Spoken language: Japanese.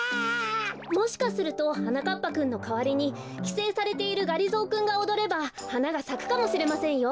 もしかするとはなかっぱくんのかわりにきせいされているがりぞーくんがおどればはながさくかもしれませんよ。